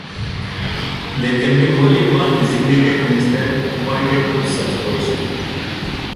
There can be only one designated minister appointed to such position.